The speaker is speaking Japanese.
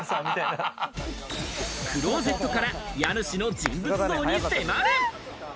クローゼットから家主の人物像に迫る。